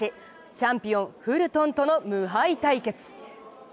チャンピオン・フルトンとの無敗対決。